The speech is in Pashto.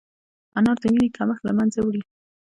انار د وینې کمښت له منځه وړي.